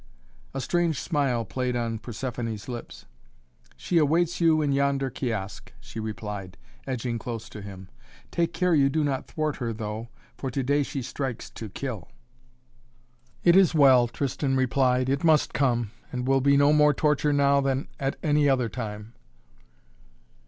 A strange smile played on Persephoné's lips. "She awaits you in yonder kiosk," she replied, edging close to him. "Take care you do not thwart her though for to day she strikes to kill." "It is well," Tristan replied. "It must come, and will be no more torture now than any other time."